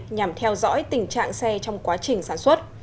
nhằm theo dõi tình trạng xe trong quá trình sản xuất